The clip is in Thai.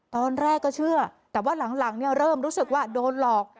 ตอนแรกก็เชื่อแต่ว่าหลังเริ่มรู้สึกว่าโดนหลอก